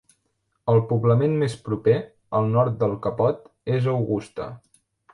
El poblament més proper, al nord del capot, és Augusta.